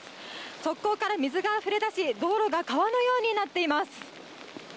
側溝から水があふれ出し道路が川のようになっています。